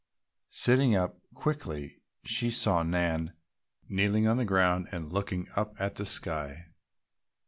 Sitting up quickly she saw Nan kneeling on the ground and looking up at the sky.